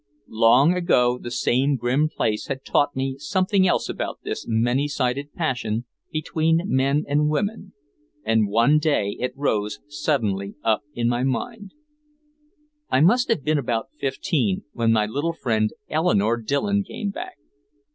Long ago the same grim place had taught me something else about this many sided passion between men and women, and one day it rose suddenly up in my mind: I must have been about fifteen when my little friend Eleanore Dillon came back.